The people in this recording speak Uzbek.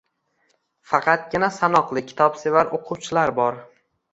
Faqatgina sanoqli kitobsevar oʻquvchilar bor.